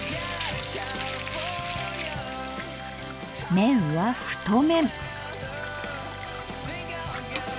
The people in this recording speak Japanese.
麺は太麺。